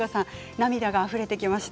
涙があふれてきました。